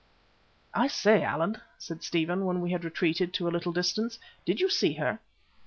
"I say, Allan," said Stephen, when we had retreated to a little distance, "did you see her?"